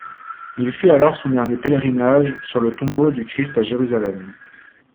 Il fit alors son dernier pèlerinage sur le tombeau du Christ à Jérusalem.